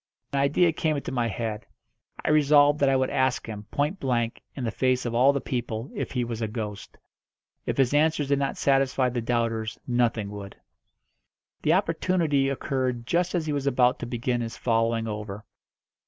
An idea came into my head. I resolved that I would ask him, point blank, in the face of all the people, if he was a ghost. If his answers did not satisfy the doubters nothing would. The opportunity occurred just as he was about to begin his following over.